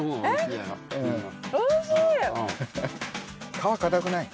皮硬くない？